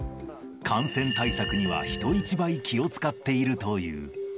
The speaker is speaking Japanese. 感染対策には人一倍、気を遣っているという。